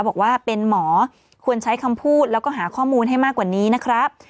บอกว่าเป็นหมอควรใช้คำพูดแล้วก็หาข้อมูลให้มากกว่านี้นะครับ